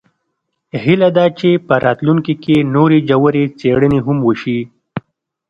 هیله ده چې په راتلونکي کې نورې ژورې څیړنې هم وشي